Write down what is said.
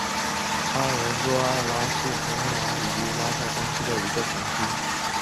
阿门多埃拉是葡萄牙布拉干萨区的一个堂区。